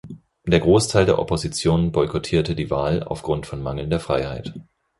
Der Großteil der Opposition boykottierte die Wahl aufgrund von mangelnder Freiheit.